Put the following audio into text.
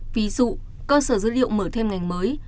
ví dụ cơ sở dữ liệu mở thêm ngành mới